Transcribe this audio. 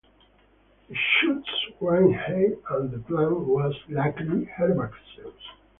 The shoots were in height and the plant was likely herbaceous.